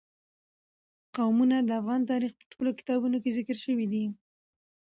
قومونه د افغان تاریخ په ټولو کتابونو کې ذکر شوي دي.